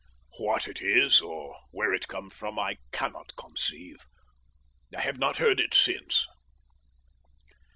What it is or where it comes from I cannot conceive. I have not heard it since.